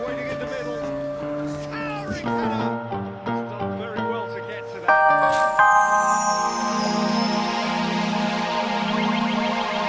sampai jumpa lagi